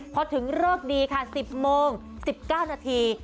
พอถึงเลิกดีค่ะ๑๐โมง๑๙นาที